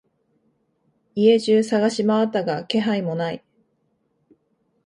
家中探しまわったが気配もない。